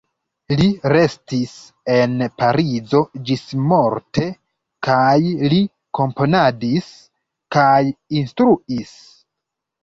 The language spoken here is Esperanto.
Li restis en Parizo ĝismorte kaj li komponadis kaj instruis.